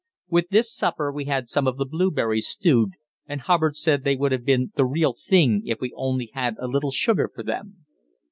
With this supper we had some of the blueberries stewed, and Hubbard said they would have been the "real thing if we only had a little sugar for them."